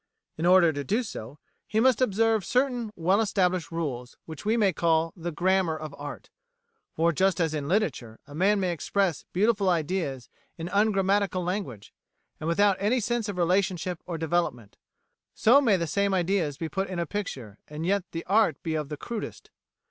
In order to do so, he must observe certain well established rules which we may call the grammar of art: for just as in literature a man may express beautiful ideas in ungrammatical language, and without any sense of relationship or development, so may the same ideas be put in a picture, and yet the art be of the crudest.